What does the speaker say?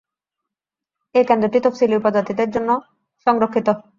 এই কেন্দ্রটি তফসিলি উপজাতিদের জন্য সংরক্ষিত।